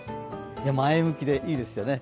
前向きでいいですよね。